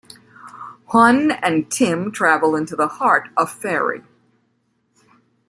Huon and Tim travel into the heart of Faerie.